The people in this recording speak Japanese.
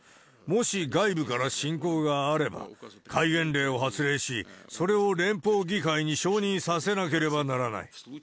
もし外部から侵攻があれば、戒厳令を発令し、それを連邦議会に承認させなければならない。